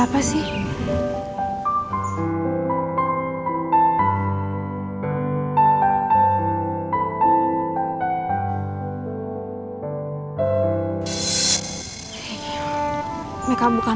tapi sekarang dia balas dengan bunga